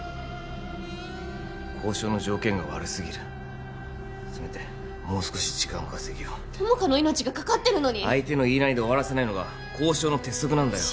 交渉の条件が悪すぎるせめてもう少し時間稼ぎを友果の命がかかってるのに相手の言いなりで終わらせないのが交渉の鉄則なんだよ